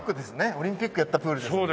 オリンピックやったプールですもんね。